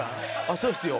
そうですよ。